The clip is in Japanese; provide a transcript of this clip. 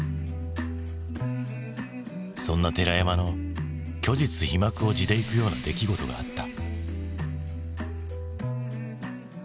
そんな寺山の虚実皮膜を地でいくような出来事があった。